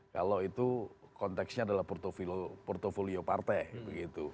kalau itu konteksnya adalah portfolio partai begitu